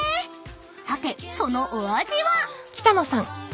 さてそのお味は？］